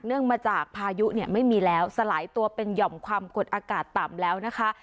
มาจากพายุเนี่ยไม่มีแล้วสลายตัวเป็นหย่อมความกดอากาศต่ำแล้วนะคะ